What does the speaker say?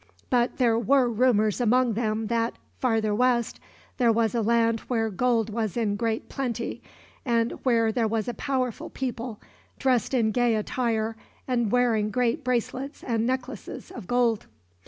But there were rumors among them that, farther west, there was a land where gold was in great plenty; and where there was a powerful people, dressed in gay attire, and wearing great bracelets and necklaces of gold.